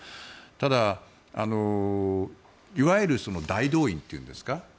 ただ、いわゆる大動員というんですか。